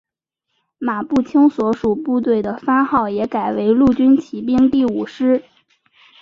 马步青所属部队的番号也改为陆军骑兵第五师。